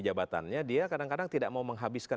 jabatannya dia kadang kadang tidak mau menghabiskan